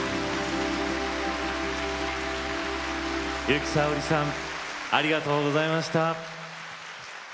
由紀さおりさんありがとうございました。